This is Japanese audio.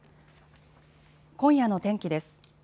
今夜の天気です。